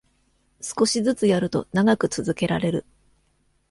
少しずつやると長く続けられる